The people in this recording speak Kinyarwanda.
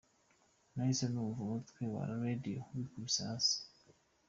Nahise numva umutwe wa Radio wikubise hasi.